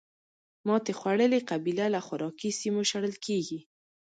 ماتې خوړلې قبیله له خوراکي سیمو شړل کېږي.